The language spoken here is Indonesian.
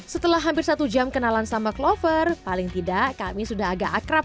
setelah hampir satu jam kenalan sama clover paling tidak kami sudah agak akrab